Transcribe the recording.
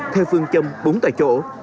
theo phương châm bốn tại chỗ